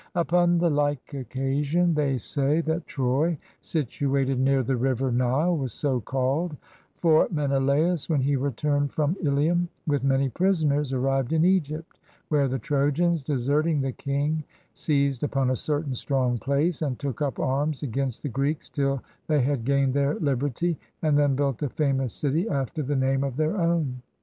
Upon the like occasion, they say, that Troy, situated near the river Nile, was so called ; for Menelaus, when he returned from Ilium with many prisoners, arrived in Egypt, where the Trojans, deserting the king, seized upon a certain strong place and took up arms against the Greeks till they had gained their Uberty, and then built a famous city after the name of their own.